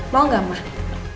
mau gak emang